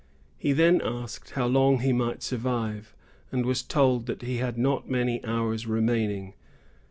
He then asked how long he might survive, and was told that he had not many hours remaining.